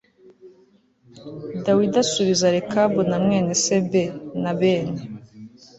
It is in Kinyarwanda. Dawidi asubiza Rekabu na mwene se B na bene